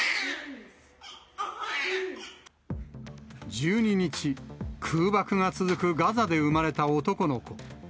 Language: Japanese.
１２日、空爆が続くガザで産まれた男の子。